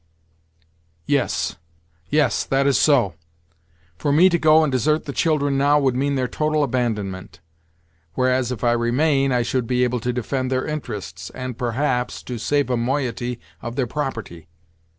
"Yes, yes; that is so. For me to go and desert the children now would mean their total abandonment; whereas, if I remain, I should be able to defend their interests, and, perhaps, to save a moiety of their property.